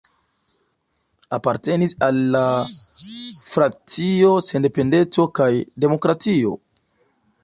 Apartenis al la Frakcio Sendependeco kaj Demokratio.